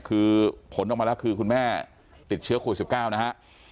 คือผลออกมาแล้วคือคุณแม่ติดเชื้อโควิด๑๙นะฮะ